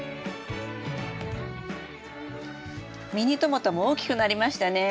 ミニトマトも大きくなりましたね。